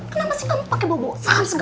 kenapa sih kamu pakai bobo saham segala macam